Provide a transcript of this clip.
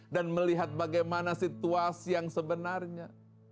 dan melihat bagaimana situasi yang sebenarnya